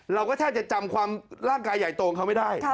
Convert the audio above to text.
เราก็แทบจะจำความร่างกายใหญ่โตของเขาไม่ได้